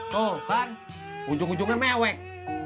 tuh kan ujung ujungnya mewek